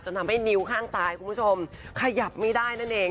จะทำให้นิ้วข้างซ้ายขายับไม่ได้นั่นเอง